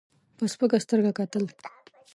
په سپکه سترګه کتل.